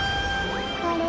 あれ？